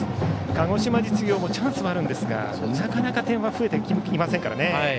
鹿児島実業もチャンスはあるんですが、なかなか点は増えていませんからね。